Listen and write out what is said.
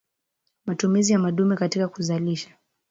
Matumizi ya madume katika kuzalisha